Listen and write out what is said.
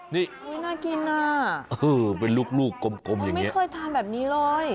นี่น่ากินอ่ะเป็นลูกกมอย่างนี้เค้าไม่เคยทานแบบนี้เลย